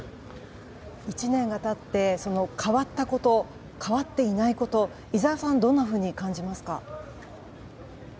１年が経って変わったこと変わっていないこと、井澤さんどんなふうに感じますか。